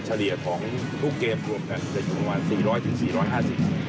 ชะเดียของทุกเกมร์รวมกันจะอยู่ประมาณ๔๐๐๔๕๐